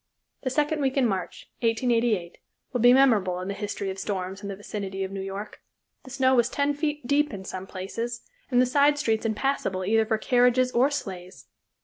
The second week in March, 1888, will be memorable in the history of storms in the vicinity of New York. The snow was ten feet deep in some places, and the side streets impassable either for carriages or sleighs.